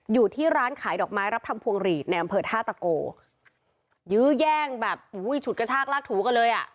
อยู่ที่ร้านขายดอกไม้รับทำพวงหลีดแนมเผิด๕ตะโกยื้อย่างแบบชุดกระชากลากถูกเลย